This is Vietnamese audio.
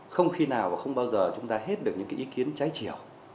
không khi nào và không bao giờ chúng ta hết được những ý kiến trái chiều